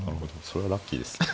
それはラッキーですね。